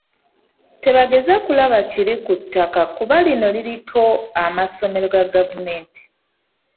Tebagenze kulaba kiri ku ttaka kuba lino liriko amasomero ga gavumenti.